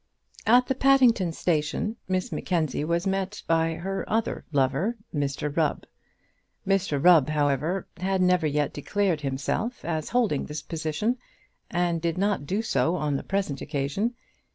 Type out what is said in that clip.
At the Paddington station Miss Mackenzie was met by her other lover, Mr Rubb. Mr Rubb, however, had never yet declared himself as holding this position, and did not do so on the present occasion.